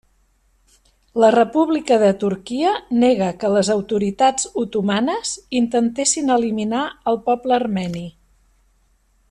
La República de Turquia nega que les autoritats otomanes intentessin eliminar el poble armeni.